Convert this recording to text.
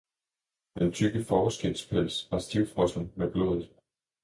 den tykke fåreskindspels var stivfrossen med blodet.